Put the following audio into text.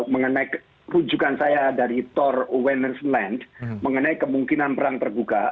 mengenai kunjungan saya dari tor women's land mengenai kemungkinan perang terbuka